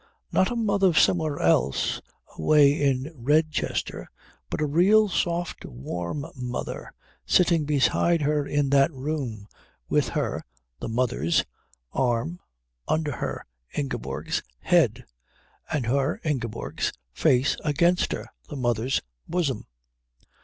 Not a mother somewhere else, away in Redchester, but a real soft warm mother sitting beside her in that room, with her (the mother's) arm under her (Ingeborg's) head, and her (Ingeborg's) face against her (the mother's) bosom.